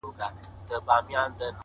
کرونا جدی وګڼی--!